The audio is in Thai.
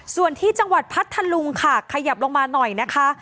ส่วนที่จังหวัดพัทธลุงค่ะขยับลงมาหน่อยนะคะ